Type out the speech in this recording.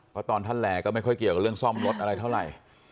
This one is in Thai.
เพราะตอนท่านแหล่ก็ไม่ค่อยเกี่ยวกับเรื่องซ่อมรถอะไรเท่าไหร่